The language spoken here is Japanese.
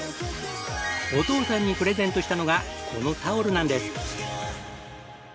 お父さんにプレゼントしたのがこのタオルなんです。